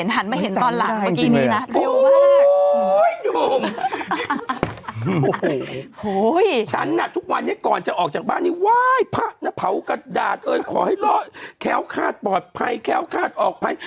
ฉันน่ะทุกวันนี้ก่อนจะออกจากบ้านนี้ไหว้พระนะเผากระดาษเอ้ยขอให้ล้อแค้วคาดปลอดภัยแค้วคาดออกไป